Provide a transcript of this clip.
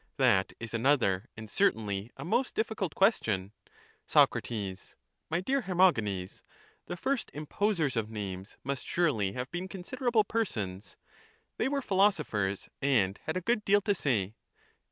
That is another and certainly a most difficult question. Soc. My dear Hermogenes, the first imposers of names must surely have been considerable persons ; they were philosophers, and had a good deal to say.